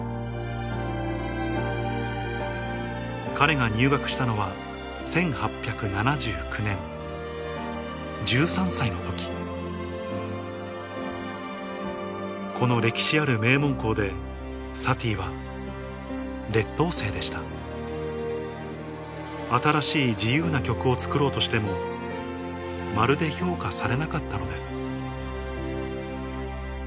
彼が入学したのは１８７９年１３歳の時この歴史ある名門校でサティは劣等生でした新しい自由な曲を作ろうとしてもまるで評価されなかったのです